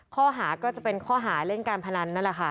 ข้อหาก็จะเป็นข้อหาเล่นการพนันนั่นแหละค่ะ